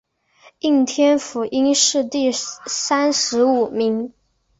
应天府乡试第三十五名。